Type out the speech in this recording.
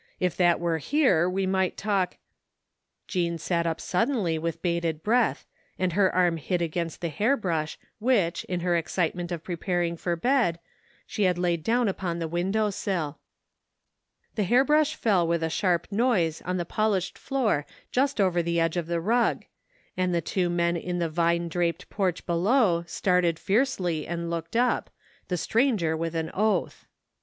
If that were here we might talk " Jean sat up suddenly with bated breath, and her arm hit against the hairbrush which, in her excitement of preparing for bed, she had laid down upon the window sill. The hairbrush fell with a sharp noise on the polished floor just over the edge of the rug, and the two men in the vine draped porch below started fiercely and looked up, the stranger with an oath.